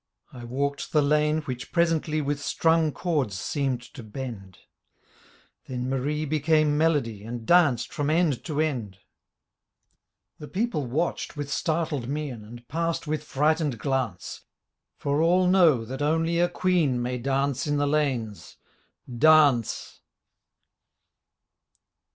I walked the lane which presently With strung chords seemed to bend ; Then Marie became Melody And danced from end to end. 35 Madness The people watched with startled mien And passed with frightened glance For all know that only a Queen May dance in the lanes: dance!